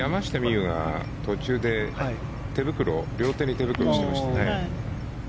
有が途中で両手に手袋してましたね。